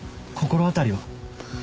心当たりは？